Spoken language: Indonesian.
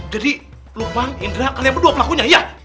jadi lukman indra kalian berdua pelakunya iya